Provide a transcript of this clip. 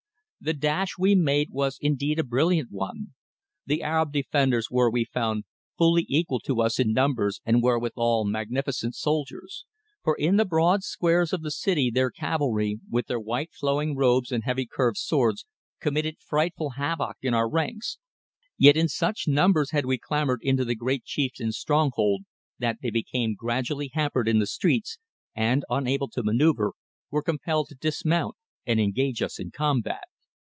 The dash we made was indeed a brilliant one. The Arab defenders were, we found, fully equal to us in numbers and were withal magnificent soldiers, for in the broad squares of the city their cavalry, with their white flowing robes and heavy curved swords, committed frightful havoc in our ranks, yet in such numbers had we clambered into the great chieftain's stronghold that they became gradually hampered in the streets and, unable to manoeuvre, were compelled to dismount and engage us in combat.